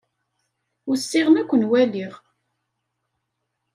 Usiɣ-n ad ken-waliɣ.